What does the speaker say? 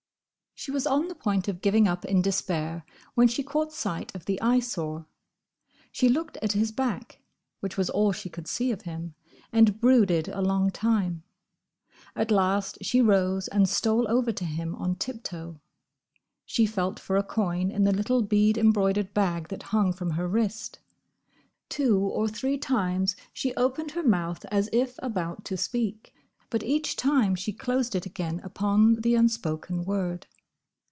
She was on the point of giving up in despair when she caught sight of the Eyesore. She looked at his back—which was all she could see of him—and brooded a long time. At last she rose and stole over to him on tip toe. She felt for a coin in the little bead embroidered bag that hung from her wrist. Two or three times she opened her mouth as if about to speak, but each time she closed it again upon the unspoken word.